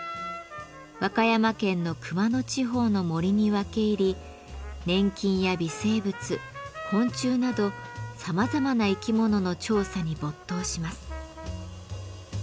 和歌山県の熊野地方の森に分け入り粘菌や微生物昆虫などさまざまな生き物の調査に没頭します。